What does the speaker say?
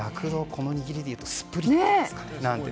この握りでいうとスプリットかなと。